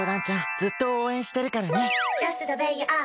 ずっと応援してるからね。